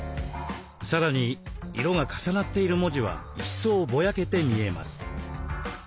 さらに色が重なっている文字は一層ぼやけて見えます。